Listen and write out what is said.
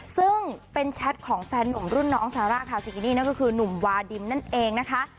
ซึ่งเป็นแชทของแฟนหนุ่มรุ่นน้องซาร่าคาซิกินี่นั่นก็คือหนุ่มวาดิมนั่นเองนะคะ